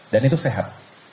dan itu sehat